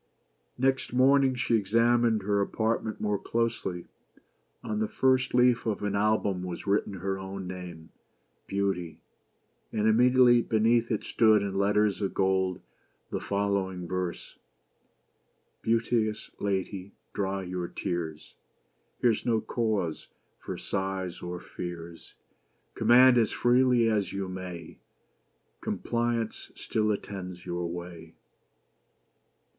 Next morning she examined her apartment more closely. On the first leaf of an album was written her own name: — ''Beauty;" and immediately beneath it stood, in letters of gold, the following verse :—" Beauteous lady — ,dry your tears, Here's no cause for sighs or fears : Command as freely as you may, Compliance still attends your way.